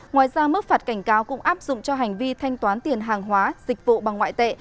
ngoài ra mức phạt cảnh cáo cũng áp dụng cho hành vi thanh toán tiền hàng hóa dịch vụ bằng ngoại tệ